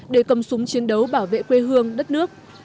để cầm súng chiến đấu bảo vệ quê hương đất nước